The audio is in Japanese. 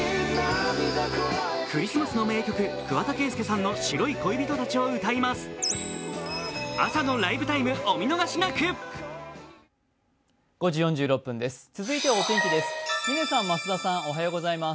クリスマスの名曲、桑田佳祐さんの「白い恋人達」を歌います。